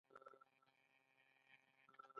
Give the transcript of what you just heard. ایا زه باید پسته وخورم؟